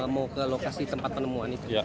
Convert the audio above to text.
mau ke lokasi tempat penemuan itu